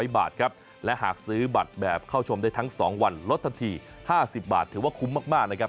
๑๐๐๒๐๐๓๐๐๔๐๐๕๐๐บาทครับและหากซื้อบัตรแบบเข้าชมได้ทั้ง๒วันลดทันที๕๐บาทถือความคุ้มที่ว่าคุ้มมาก